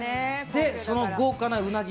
で、その豪華なうなぎ。